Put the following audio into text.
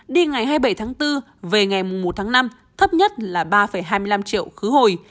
đi ngày hai mươi bảy tháng bốn về ngày một tháng năm thấp nhất là ba hai mươi năm triệu khứ hồi